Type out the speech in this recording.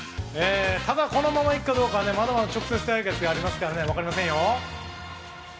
ただ、このままいくかどうかは直接対決でありますから分かりませんよ。